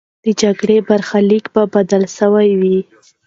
د جګړې برخلیک به بدل سوی وي.